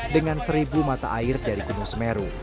dengan seribu mata air dari gunung semeru